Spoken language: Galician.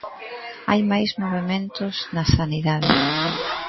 Hai máis movementos na Sanidade.